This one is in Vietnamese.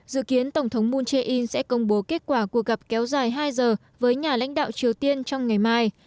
dự kiến tổng thống moon jae in sẽ công bố kết quả cuộc gặp kéo dài hai giờ với nhà lãnh đạo triều tiên trong ngày mai